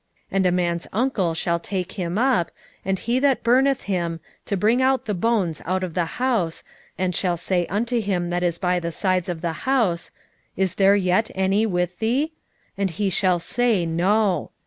6:10 And a man's uncle shall take him up, and he that burneth him, to bring out the bones out of the house, and shall say unto him that is by the sides of the house, Is there yet any with thee? and he shall say, No.